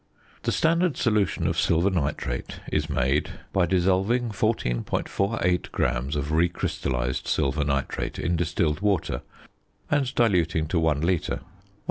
The standard solution of silver nitrate is made by dissolving 14.48 grams of recrystallised silver nitrate in distilled water and diluting to 1 litre: 100 c.